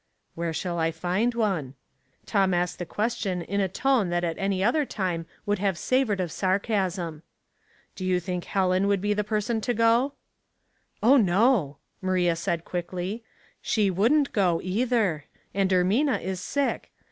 *' Where shall I find one?" Tom asked the question in a tone that at any other time would have savored of sarcasm. *' Do you think Helen would be the person to go? "" Oil, no," Maria said quickly. " She wouldn't go, either; and Ermina is sick.